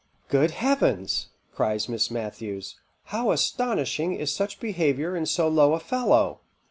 "Good heavens!" cries Miss Matthews, "how astonishing is such behaviour in so low a fellow!"